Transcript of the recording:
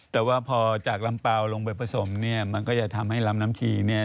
แต่ว่าพอจากลำเปล่าลงไปผสมเนี่ยมันก็จะทำให้ลำน้ำชีเนี่ย